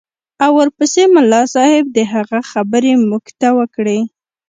او ورپسې ملا صاحب د هغه خبرې موږ ته وکړې.